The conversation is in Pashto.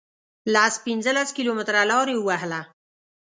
لس پنځلس کیلومتره لار یې ووهله.